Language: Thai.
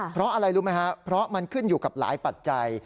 เพราะอะไรรู้ไหมครับเพราะมันขึ้นอยู่กับหลายปัจจัย